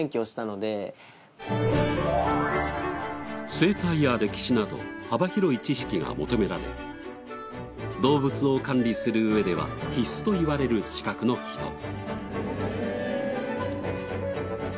生態や歴史など幅広い知識が求められ動物を管理する上では必須といわれる資格の一つ。